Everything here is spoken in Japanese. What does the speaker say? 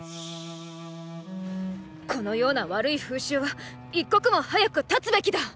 このような悪い風習は一刻も早く断つべきだ。